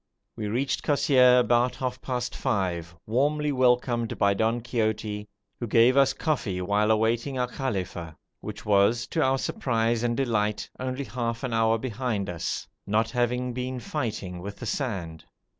We reached Kosseir about half past five, warmly welcomed by Don Quixote, who gave us coffee while awaiting our kafila, which was, to our surprise and delight, only half an hour behind us, not having been fighting with the sand.